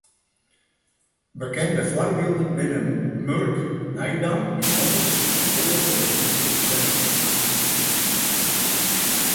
Bekende foarbylden binne Murk Nijdam út Wommels en Bote de Boer út Tsjerkwert.